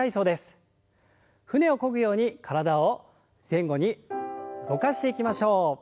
舟をこぐように体を前後に動かしていきましょう。